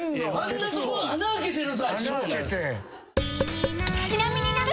あんなとこ穴開けてる。